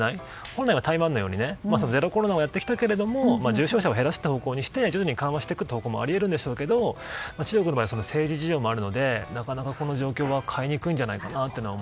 本来は台湾のようにゼロコロナをやってきたけど重症者を減らす方向にして緩和していく方向もあるんでしょうけど中国は政治事情もあるのでなかなかこの状況は変えにくいんじゃないかと。